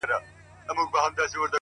توري جامې ګه دي راوړي دي. نو وایې غونده.